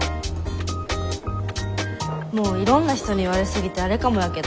もういろんな人に言われ過ぎてあれかもやけど。